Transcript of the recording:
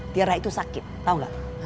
tiara itu sakit tau gak